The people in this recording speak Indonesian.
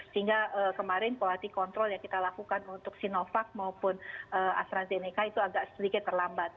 sehingga kemarin quality control yang kita lakukan untuk sinovac maupun astrazeneca itu agak sedikit terlambat